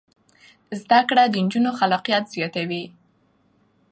زده کړه د نجونو خلاقیت زیاتوي.